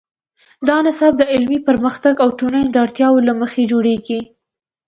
دا نصاب د علمي پرمختګ او ټولنې د اړتیاوو له مخې جوړیږي.